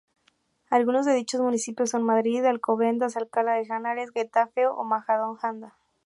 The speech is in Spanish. Algunos de dichos municipios son: Madrid, Alcobendas, Alcalá de Henares, Getafe o Majadahonda.